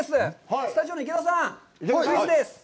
スタジオの池田さん、クイズです！